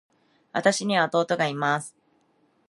私には弟がいます。